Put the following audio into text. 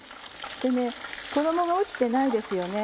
衣が落ちてないですよね。